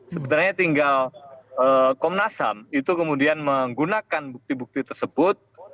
sebenarnya tinggal komnas ham itu kemudian menggunakan bukti bukti tersebut